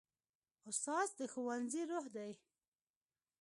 استاد د ښوونځي روح دی.